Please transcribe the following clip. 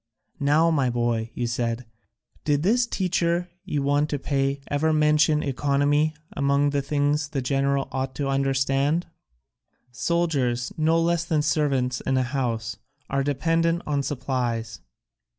'Now, my boy,' you said, 'did this teacher you want to pay ever mention economy among the things a general ought to understand? Soldiers, no less than servants in a house, are dependent on supplies.'